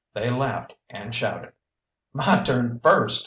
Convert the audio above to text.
They laughed and shouted. "My turn first!"